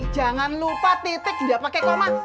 jangan lupa titik gak pakai koma